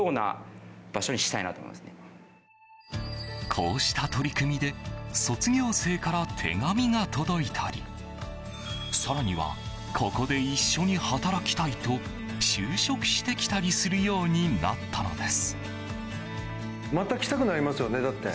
こうした取り組みで卒業生から手紙が届いたり更には、ここで一緒に働きたいと就職してきたりするようになったのです。